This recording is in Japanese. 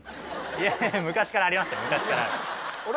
いやいや昔からありましたよ